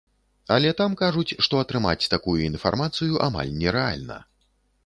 Але там кажуць, што атрымаць такую інфармацыю амаль нерэальна.